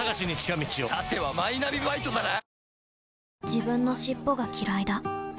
自分の尻尾がきらいだ